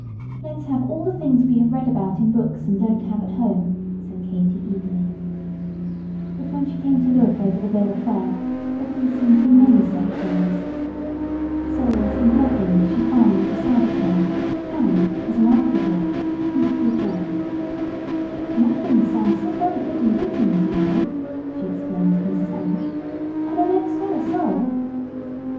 "Let's have all the things we have read about in books and don't have at home," said Katy, eagerly. But when she came to look over the bill of fare there didn't seem to be many such things. Soles and muffins she finally decided upon, and, as an after thought, gooseberry jam. "Muffins sound so very good in Dickens, you know," she explained to Mrs. Ashe; "and I never saw a sole."